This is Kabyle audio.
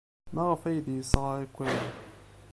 Maɣef ay d-yesɣa akk aya?